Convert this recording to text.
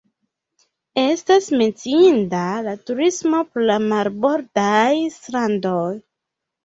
Estas menciinda la turismo pro la marbordaj strandoj.